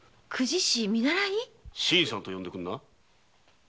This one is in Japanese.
「新さん」と呼んでくんな。